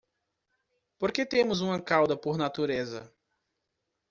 Por que temos uma cauda por natureza?